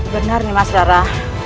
benar nyemas dara